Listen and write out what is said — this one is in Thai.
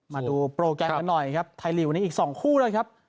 มาดูโปรแกรมกันหน่อยครับไทยลีกวันนี้อีก๒คู่เลยครับ